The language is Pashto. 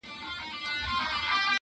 تا غرڅه غوندي اوتر اوتر کتلای٫